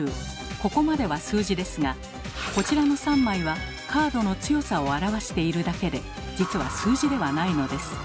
ここまでは数字ですがこちらの３枚はカードの強さを表しているだけで実は数字ではないのです。